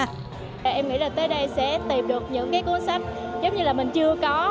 em nghĩ là tới đây sẽ tìm được những cái cuốn sách giống như là mình chưa có